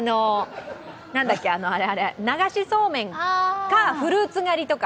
何だっけ、あれ、流しそうめんかフルーツ狩りとか。